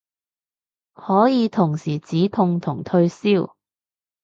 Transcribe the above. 可以同時止痛同退燒